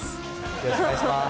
よろしくお願いします。